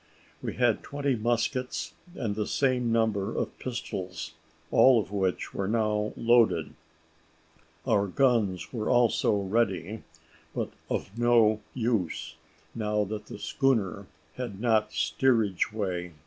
We had twenty muskets, and the same number of pistols, all of which were now loaded. Our guns were also ready, but of no use, now that the schooner had not steerage way.